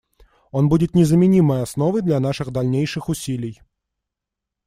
Он будет незаменимой основой для наших дальнейших усилий.